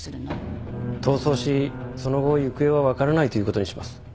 逃走しその後行方は分からないということにします